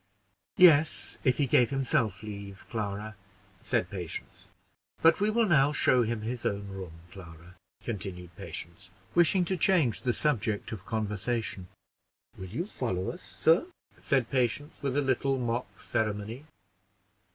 "Yes, if he gave himself leave, Clara," said Patience. "But we will now show him his own room, Clara," continued Patience, wishing to change the subject of conversation. "Will you follow us, sir?" said Patience, with a little mock ceremony.